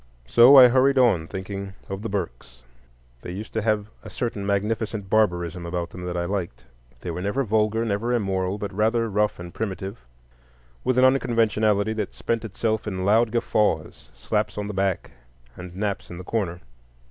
So I hurried on, thinking of the Burkes. They used to have a certain magnificent barbarism about them that I liked. They were never vulgar, never immoral, but rather rough and primitive, with an unconventionality that spent itself in loud guffaws, slaps on the back, and naps in the corner.